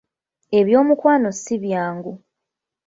Eby’omukwano si byangu.